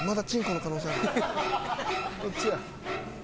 どっちや？